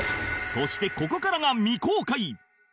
そしてここからが未公開